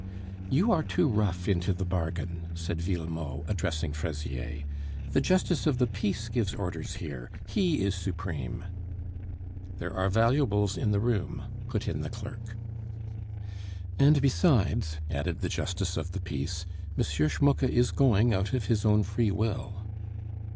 "You are too rough into the bargain," said Villemot, addressing Fraisier. "The justice of the peace gives orders here; he is supreme." "There are valuables in the room," put in the clerk. "And besides," added the justice of the peace, "M. Schmucke is going out of his own free will."